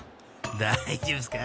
［大丈夫っすか？］